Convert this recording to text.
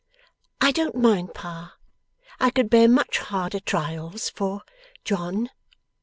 'I don't mind, Pa. I could bear much harder trials for John.